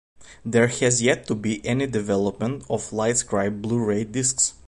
There has yet to be any development of LightScribe Blu-ray discs.